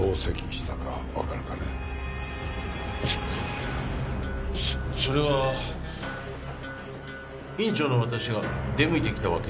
いやそれは院長の私が出向いてきたわけですから。